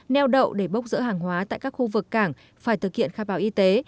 neo đậu để bốc rỡ hàng hóa tại các khu vực cảng phải thực hiện khai báo y tế